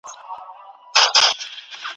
شاګرد د ليکني مسوده څو ځله څنګه ګوري؟